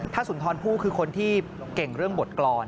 ถ้าสุนทรพูดคือคนที่เก่งเรื่องบทกรรม